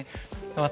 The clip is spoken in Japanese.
私